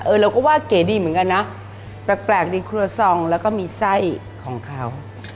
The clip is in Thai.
เราก็ว่าเก๋ดีเหมือนกันนะแปลกในครัวซองแล้วก็มีไส้ของเขา